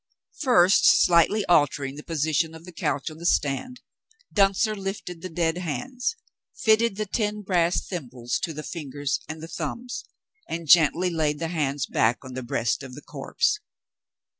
First slightly altering the position of the couch on the stand, Duntzer lifted the dead hands fitted the ten brass thimbles to the fingers and the thumbs and gently laid the hands back on the breast of the corpse.